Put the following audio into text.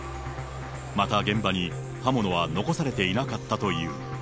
また現場に刃物は残されていなかったという。